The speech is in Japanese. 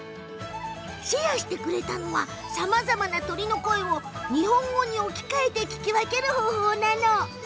シェアしてくれたのはさまざまな鳥の声を日本語に置き換えて聞き分ける方法なの。